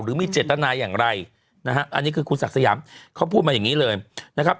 หรือมีเจตนาอย่างไรนะฮะอันนี้คือคุณศักดิ์สยามเขาพูดมาอย่างนี้เลยนะครับ